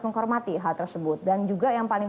menghormati hal tersebut dan juga yang paling